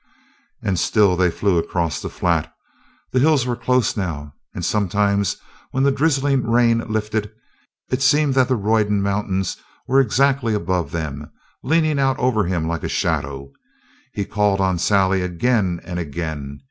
And still they flew across the flat. The hills were close now, and sometimes, when the drizzling rain lifted, it seemed that the Roydon mountains were exactly above them, leaning out over him like a shadow. He called on Sally again and again.